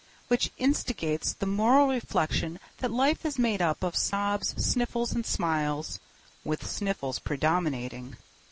Which instigates the moral reflection that life is made up of sobs, sniffles, and smiles, with sniffles predominating.